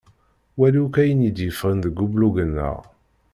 Wali akk ayen i d-yeffɣen deg ublug-nneɣ.